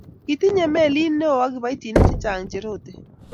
kitinye melit neoo ak kiboitinik chechang che rotei.